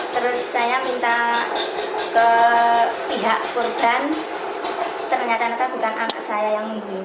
terus saya minta ke pihak korban ternyata itu bukan anak saya